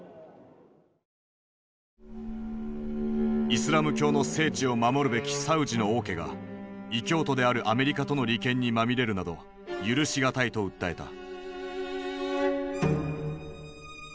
イスラム教の聖地を守るべきサウジの王家が異教徒であるアメリカとの利権にまみれるなど許し難いと訴えた。